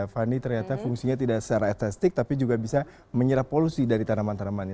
fani ternyata fungsinya tidak secara etistik tapi juga bisa menyerap polusi dari tanaman tanaman ini